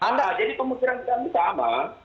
nah jadi pemikiran kami sama